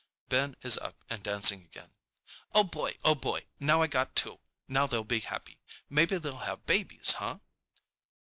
Ben is up and dancing again. "Oh, boy, oh, boy! Now I got two! Now they'll be happy! Maybe they'll have babies, huh?"